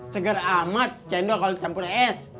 seger amat cendol kalau dicampur es